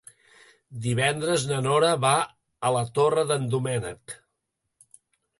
Divendres na Nora va a la Torre d'en Doménec.